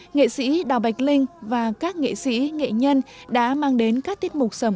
nghệ sĩ đào bạch linh và các nghệ sĩ nghệ nhân đã mang đến các tiết mục sầm